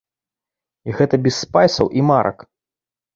І гэта без спайсаў і марак.